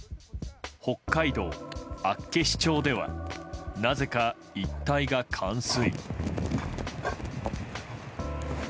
北海道厚岸町ではなぜか一帯が冠水。